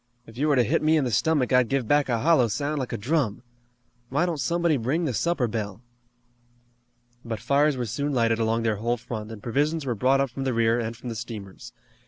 "If you were to hit me in the stomach I'd give back a hollow sound like a drum. Why don't somebody ring the supper bell?" But fires were soon lighted along their whole front, and provisions were brought up from the rear and from the steamers.